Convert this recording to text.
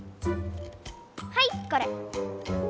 はいこれ。